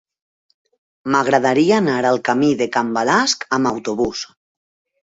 M'agradaria anar al camí de Can Balasc amb autobús.